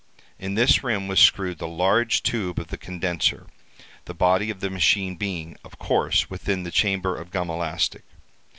In this rim was screwed the large tube of the condenser, the body of the machine being, of course, within the chamber of gum elastic.